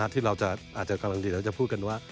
ที่เราอาจจะกำลังดีเราจะพูดกันว่า